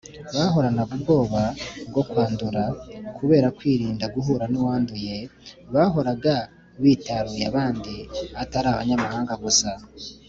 . Bahoranaga ubwoba bwo kwandura. Kubera kwirinda guhura “n’uwanduye”, bahoraga bitaruye abandi, atari abanyamahanga gusa